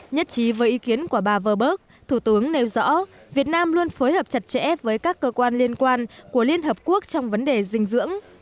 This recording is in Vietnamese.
nhất trí với ý kiến của bà vơ bơ thủ tướng nêu rõ việt nam luôn phối hợp chặt chẽ với các cơ quan liên quan của liên hợp quốc trong vấn đề dinh dưỡng